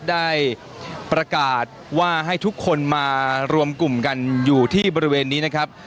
ได้ประกาศว่าให้ทุกคนมารวมกลุ่มกันอยู่ที่บริเวณนี้นะครับ